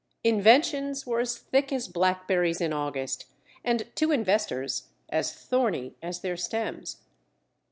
Inventions were as thick as blackberries in August and, to investors, as thorny as their stems.